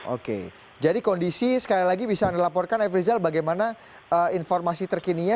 oke jadi kondisi sekali lagi bisa dilaporkan efri zal bagaimana informasi terkininya